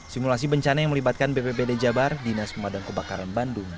simulasi bencana yang melibatkan bpbd jabar dinas pemadam kebakaran bandung